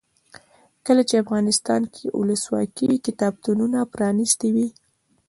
کله چې افغانستان کې ولسواکي وي کتابتونونه پرانیستي وي.